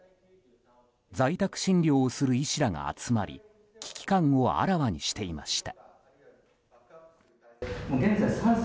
在宅診療をする医師らが集まり危機感をあらわにしていました。